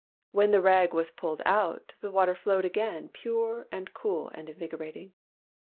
When the rag was pulled out, the water flowed again pure and cool and invigorating.